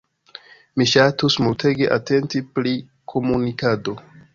Mi ŝatus multege atenti pri komunikado.